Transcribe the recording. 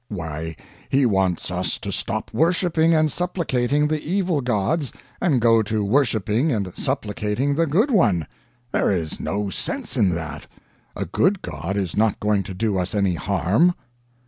"Why, he wants us to stop worshiping and supplicating the evil gods, and go to worshiping and supplicating the Good One! There is no sense in that. A good god is not going to do us any harm."